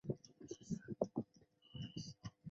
龙津铁角蕨为铁角蕨科铁角蕨属下的一个种。